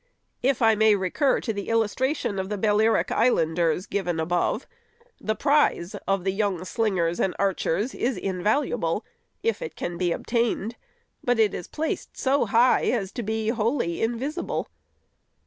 If I may recur to the illustration of the Balearic islanders, given above ; the prize of the young slingers and archers is in valuable, if it can be obtained ; but it is placed so high as to be wholly invisible.